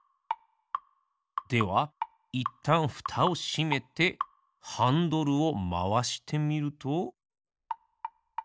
ではいったんふたをしめてハンドルをまわしてみると。